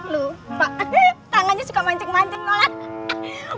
lupa tangannya suka mancing mancing lho lah